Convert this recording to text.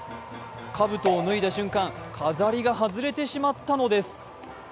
かぶとを脱いだ瞬間、飾りが外れてしまったのです。